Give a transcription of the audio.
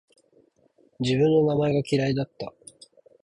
自分の名前が嫌いだった